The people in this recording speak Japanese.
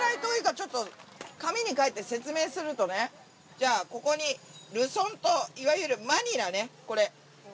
じゃあここにルソン島いわゆるマニラねこれ。